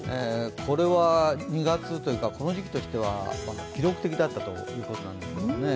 これは２月、この時期としては記録的だったということです。